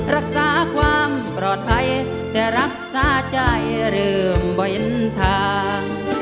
รักษาความปลอดภัยแต่รักษาใจเริ่มบนทาง